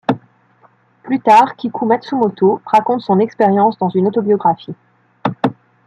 Plus tard, Kiku Matsumoto raconte son expérience dans une autobiographie.